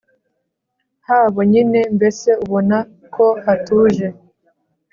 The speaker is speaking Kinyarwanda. habonyine mbese ubona ko hatuje.